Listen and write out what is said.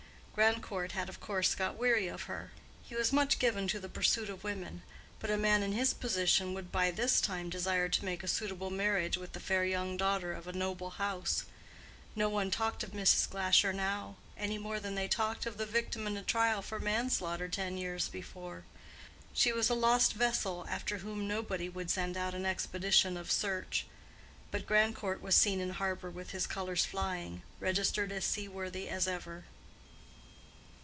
Grandcourt had of course got weary of her. He was much given to the pursuit of women: but a man in his position would by this time desire to make a suitable marriage with the fair young daughter of a noble house. No one talked of Mrs. Glasher now, any more than they talked of the victim in a trial for manslaughter ten years before: she was a lost vessel after whom nobody would send out an expedition of search; but Grandcourt was seen in harbor with his colors flying, registered as seaworthy as ever.